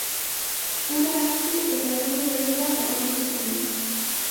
Hura ahaztu eta helburu berrira egokitu zen.